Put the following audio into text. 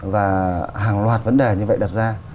và hàng loạt vấn đề như vậy đặt ra